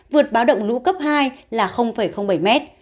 vượt báo động lũ cấp hai là bảy m